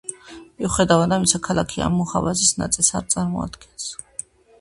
მიუხედავად ამისა, ქალაქი ამ მუჰაფაზის ნაწილს არ წარმოადგენს.